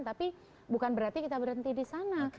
tapi bukan berarti kita berhenti di sana